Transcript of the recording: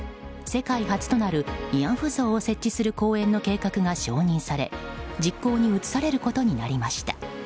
世界初となる慰安婦像を設置する公園の計画が承認され実行に移されることになりました。